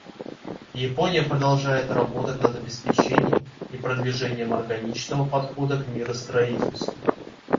Япония продолжает работать над обеспечением и продвижением органичного подхода к миростроительству.